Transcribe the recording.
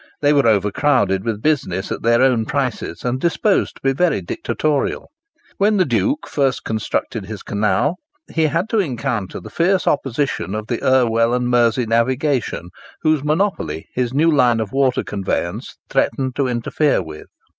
They were overcrowded with business at their own prices, and disposed to be very dictatorial. When the Duke first constructed his canal, he had to encounter the fierce opposition of the Irwell and Mersey Navigation, whose monopoly his new line of water conveyance threatened to interfere with.